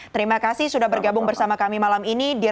terima kasih sudah bergabung bersama kami malam ini